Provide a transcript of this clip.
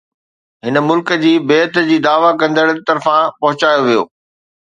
هن ملڪ جي بيعت جي دعوي ڪندڙن طرفان پهچايو ويو